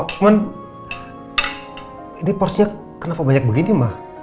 cuman ini porsinya kenapa banyak begini mah